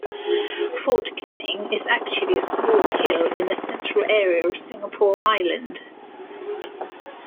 Fort Canning is actually a small hill in the Central Area of Singapore Island.